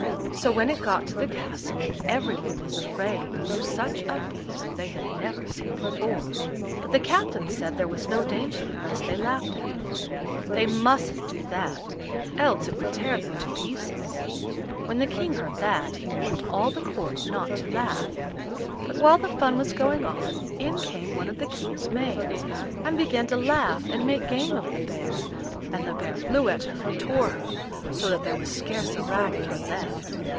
So when it got to the castle every one was afraid, for such a beast they had never seen before; but the captain said there was no danger unless they laughed at it. They mustn't do that, else it would tear them to pieces. When the King heard that, he warned all the court not to laugh. But while the fun was going on, in came one of the King's maids, and began to laugh and make game of the bear, and the bear flew at her and tore her, so that there was scarce a rag of her left.